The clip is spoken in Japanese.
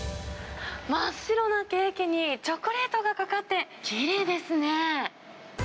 真っ白なケーキにチョコレートがかかって、きれいですね。